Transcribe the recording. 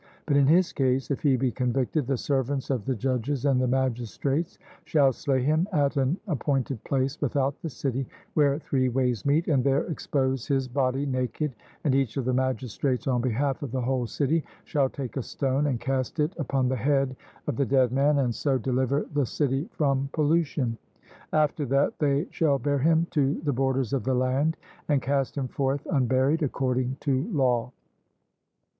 But in his case, if he be convicted, the servants of the judges and the magistrates shall slay him at an appointed place without the city where three ways meet, and there expose his body naked, and each of the magistrates on behalf of the whole city shall take a stone and cast it upon the head of the dead man, and so deliver the city from pollution; after that, they shall bear him to the borders of the land, and cast him forth unburied, according to law.